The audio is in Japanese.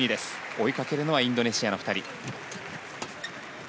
追いかけるのはインドネシアの２人。